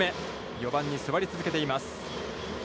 ４番に座り続けています。